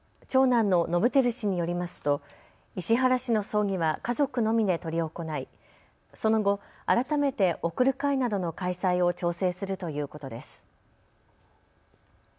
長男の伸晃氏によりますと石原氏の葬儀は家族のみで執り行い、その後、改めて送る会などの開催を調整するということです。